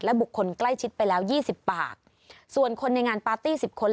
บุคคลใกล้ชิดไปแล้วยี่สิบปากส่วนคนในงานปาร์ตี้สิบคน